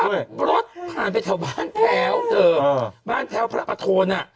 เขาขับรถผ่านไปแถวบ้านแพ้วบ้านแพ้วพระปะโทน